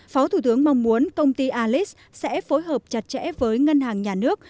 phó thủ tướng mong muốn công ty aliex sẽ phối hợp chặt chẽ với ngân hàng nhà nước